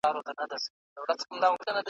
مُلایانو به زکات ولي خوړلای .